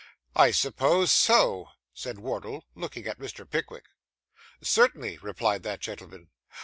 'I suppose so,' said Wardle, looking at Mr. Pickwick. 'Certainly,' replied that gentleman.